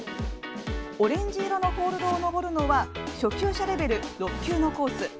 オレンジ色のホールドを登るのは初級者レベル６級のコース。